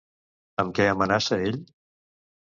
Amb què amenaça ell?